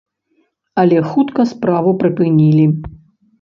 Але хутка справу прыпынілі.